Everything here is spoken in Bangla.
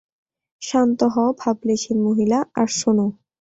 শান্ত হও, ভাবলেশহীন মহিলা, আর শোনো।